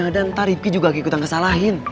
dan rizky juga ikutan kesalahan